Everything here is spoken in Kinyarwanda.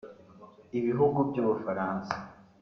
Ibihugu by’Ubufaransa